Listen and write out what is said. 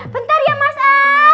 bentar ya mas al